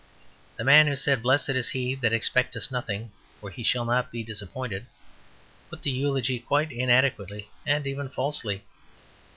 The man who said, "Blessed is he that expecteth nothing, for he shall not be disappointed," put the eulogy quite inadequately and even falsely.